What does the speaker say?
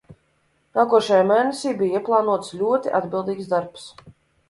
Nākošajā mēnesī bija ieplānots ļoti atbildīgs darbs.